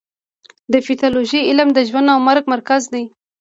د پیتالوژي علم د ژوند او مرګ ترمنځ دی.